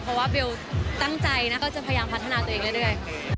เพราะว่าเบลตั้งใจแล้วก็จะพยายามพัฒนาตัวเองเรื่อย